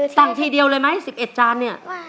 ทีเดียวเลยไหม๑๑จานเนี่ย